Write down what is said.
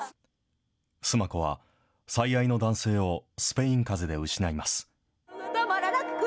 須磨子は最愛の男性をスペインかぜで失います。